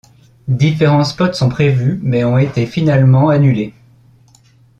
Différents spots sont prévus, mais ont été finalement annulés.